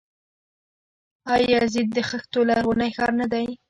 آیا یزد د خښتو لرغونی ښار نه دی؟